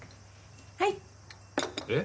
はい。え？